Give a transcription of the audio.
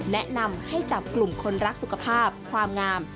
แนะนำให้จับกลุ่มคนรักสุขภาพความงาม